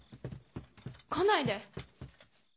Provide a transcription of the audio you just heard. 来ないで。